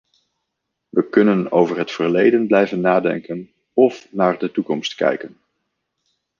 We kunnen over het verleden blijven nadenken of naar de toekomst kijken.